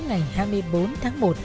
ngày hai mươi bốn tháng một